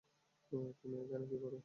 তুমি এইখানে কি করো?